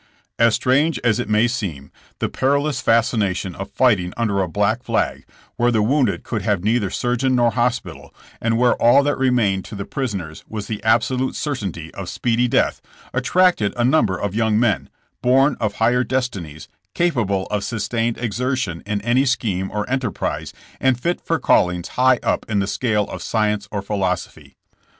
''As strange as it may seem, the perilous fasci nation of fighting under a black flag — where the wounded could have neither surgeon nor hospital, and where all that remained to the prisoners was the absolute certainty of speedy death— attracted a num ber of young men, born of higher destinies, capable of sustained exertion in any scheme or enterprise, and fit for callings high up in the scale of science or philosophy.